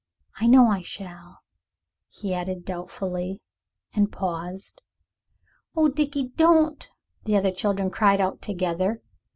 I know I shall," he added doubtfully, and paused. "Oh, Dickie, don't," the other children cried out together.